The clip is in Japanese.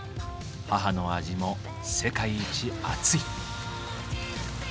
母の味も世界一あつい。